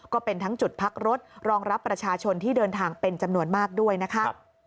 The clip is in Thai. ก็เป็นทั้งจุดพักรถรองรับประชาชนที่เดินทางเป็นจำนวนมากด้วยนะคะ